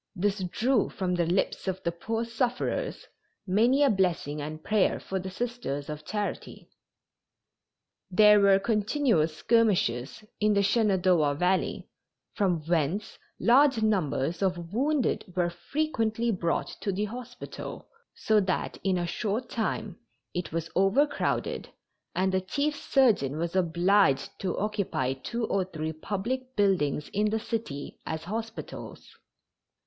This drew from the lips of the poor sufferers many a blessing and prayer for the Sisters of Charity. There were continual skirmishes in the Shenandoah Valley, from whence large numbers of wounded were frequently brought to the hospital, so that in a short time it was overcrowded and the chief surgeon was obliged to occupy two or three public buildings in the city as hospitals.